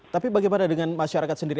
tapi bagaimana dengan masyarakat sendiri